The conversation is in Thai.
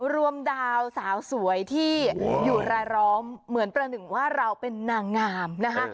ดาวสาวสวยที่อยู่รายล้อมเหมือนประหนึ่งว่าเราเป็นนางงามนะคะ